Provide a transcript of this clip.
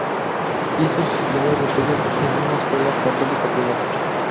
Hizo sus primeros estudios en una escuela católica privada.